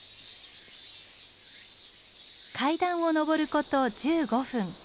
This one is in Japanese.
階段を上ること１５分。